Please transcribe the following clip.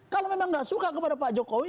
kalau memang tidak suka kepada pak jokowi